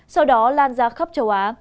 sau đó lan ra khắp châu á